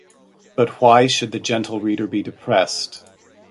But why should the gentle reader be depressed?